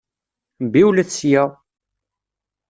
Mbiwlet sya!